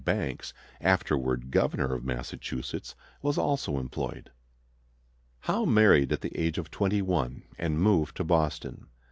Banks, afterward governor of Massachusetts, was also employed. Howe married at the age of twenty one and moved to Boston.